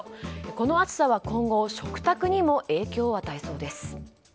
この暑さは今後食卓にも影響を与えそうです。